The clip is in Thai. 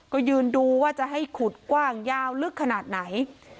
ก็ยืนดูว่าจะให้ขุดกว้างยาวลึกขนาดไหน